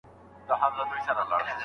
آیا پاکوالی تر درملني اړین دی؟